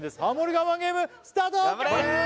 我慢ゲームスタート！